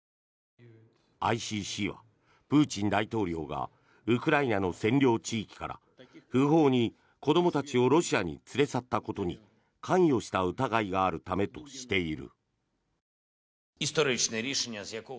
ＩＣＣはプーチン大統領がウクライナの占領地域から不法に子どもたちをロシアに連れ去ったことに関与した疑いがあるためとしている。